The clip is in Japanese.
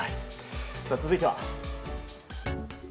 続いては。